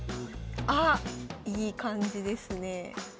あっいい感じですねえ。